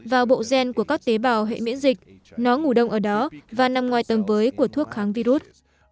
vào bộ gen của các tế bào hệ miễn dịch nó ngủ đông ở đó và nằm ngoài tầm với của thuốc kháng virus